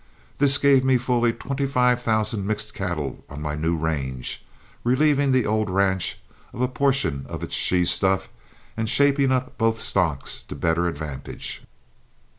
This gave me fully twenty five thousand mixed cattle on my new range, relieving the old ranch of a portion of its she stuff and shaping up both stocks to better advantage.